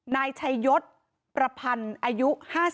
นายชัยยศประพันธ์อายุ๕๓